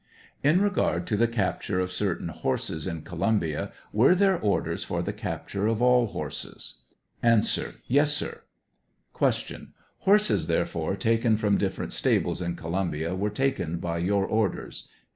In regard to the capture of certain horses in Co lumbia, were there orders for the capture of all horses? A. Yes, sir. Q. Horses, therefore, taken from different stables in Columbia were taken by your orders